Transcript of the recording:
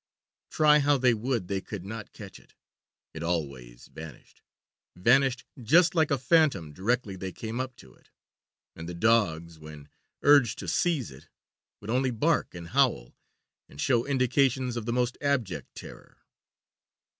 Try how they would they could not catch it it always vanished vanished just like a phantom directly they came up to it; and the dogs when urged to seize it would only bark and howl, and show indications of the most abject terror.